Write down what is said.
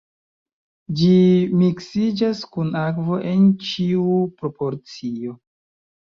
Ĝi miksiĝas kun akvo en ĉiu proporcio.